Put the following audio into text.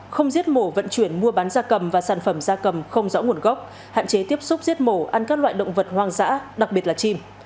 không giết mổ vận chuyển mua bán da cầm và sản phẩm da cầm không rõ nguồn gốc hạn chế tiếp xúc giết mổ ăn các loại động vật hoang dã đặc biệt là chim